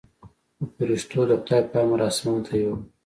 خو پرښتو د خداى په امر اسمان ته يووړ.